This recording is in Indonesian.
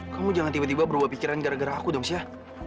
kamu jangan tiba tiba berubah pikiran gara gara aku dong chef